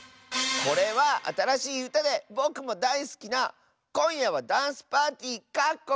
これはあたらしいうたでぼくもだいすきな「こんやはダンスパーティー」！